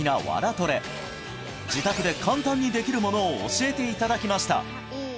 トレ自宅で簡単にできるものを教えていただきました